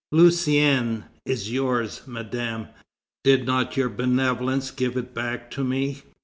Luciennes is yours, Madame; did not your benevolence give it back to me?